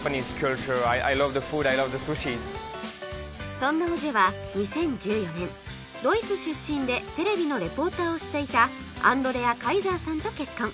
そんなオジェは２０１４年ドイツ出身でテレビのレポーターをしていたアンドレアカイザーさんと結婚